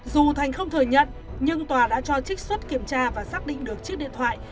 dù thành không thừa nhận nhưng tòa đã cho trích xuất kiểm tra và xác định được chiếc điện thoại